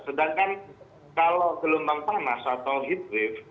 sedangkan kalau gelombang panas atau heat wave